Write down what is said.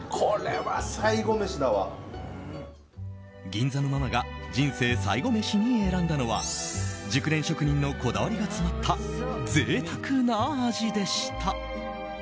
銀座のママが人生最後メシに選んだのは熟練職人のこだわりが詰まったぜいたくな味でした。